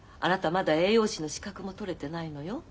まだ栄養士の資格も取れてないのよ。